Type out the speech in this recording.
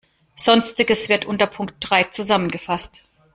Sonstiges wird unter Punkt drei zusammengefasst.